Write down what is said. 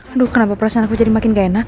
aduh kenapa perasaan aku jadi makin gak enak